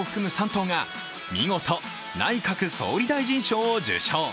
３頭が見事、内閣総理大臣賞を受賞。